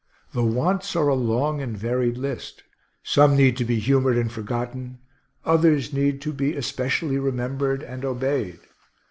The wants are a long and varied list: some need to be humored and forgotten, others need to be especially remembered and obeyed.